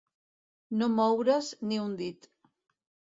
No moure's ni un dit.